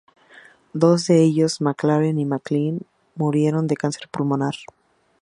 Dos de ellos, McLaren y McLean, murieron de cáncer pulmonar.